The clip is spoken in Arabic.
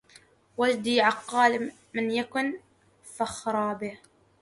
وجدي عقال من يكن فاخرا به